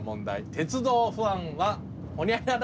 鉄道ファンはホニャララ